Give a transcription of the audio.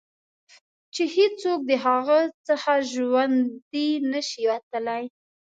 چې هېڅوک د هغه څخه ژوندي نه شي وتلای.